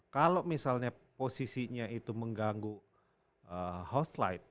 kalau misalnya posisinya itu mengganggu house light